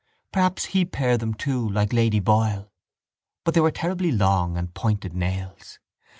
Perhaps he pared them too like Lady Boyle. But they were terribly long and pointed nails.